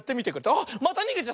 あっまたにげちゃった！